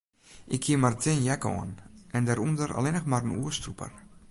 Ik hie mar in tin jack oan en dêrûnder allinnich mar in oerstrûper.